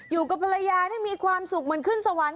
อยู่กับภรรยาได้มีความสุขเหมือนขึ้นสวรรค์